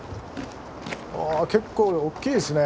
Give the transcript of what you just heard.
・あ結構おっきいですね。